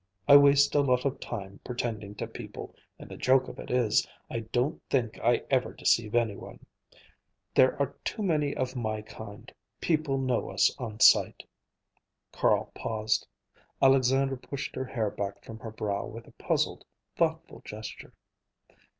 I waste a lot of time pretending to people, and the joke of it is, I don't think I ever deceive any one. There are too many of my kind; people know us on sight." Carl paused. Alexandra pushed her hair back from her brow with a puzzled, thoughtful gesture.